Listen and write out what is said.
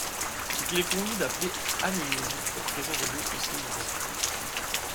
Ce qu’il est convenu d’appeler animisme est présent dans d’autres civilisations.